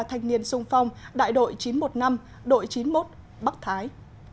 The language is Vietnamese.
thanh niên sung phong đại đội chín trăm một mươi năm đội chín mươi một bắc thái